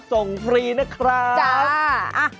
ส่งฟรีนะครับจ้าอ่ะ